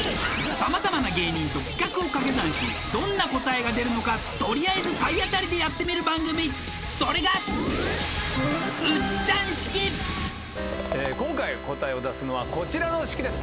様々な芸人と企画を掛け算しどんな答えが出るのかとりあえず体当たりでやってみる番組それが今回答えを出すのはこちらの式です